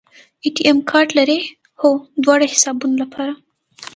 اے ټي ایم کارت لرئ؟ هو، دواړو حسابونو لپاره